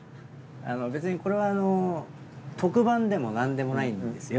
別にこれはあの特番でもなんでもないんですよ。